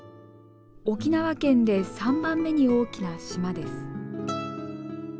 沖縄県で３番目に大きな島です。